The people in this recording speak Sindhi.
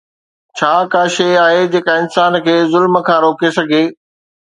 ڇا ڪا شيءِ آهي جيڪا انسان کي ظلم کان روڪي سگهي؟